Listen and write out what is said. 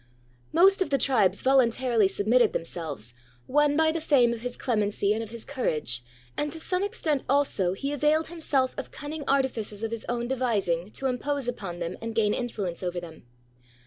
] Most of the tribes voluntarily submitted themselves, won by the fame of his clemency and of his courage, and, to some extent, also, he availed himself of cunning arti fices of his own devising to impose upon them and gain influence over them.